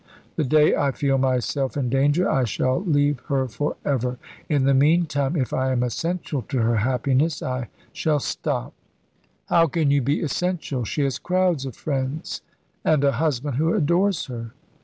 The day I feel myself in danger I shall leave her for ever. In the meantime, if I am essential to her happiness, I shall stop." "How can you be essential? She has crowds of friends, and a husband who adores her."